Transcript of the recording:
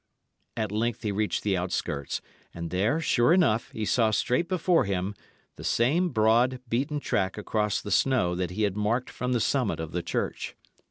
At length he reached the outskirts, and there, sure enough, he saw straight before him the same broad, beaten track across the snow that he had marked from the summit of the church.